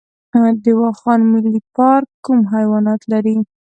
د واخان ملي پارک کوم حیوانات لري؟